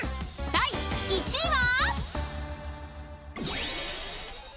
［第２位は？］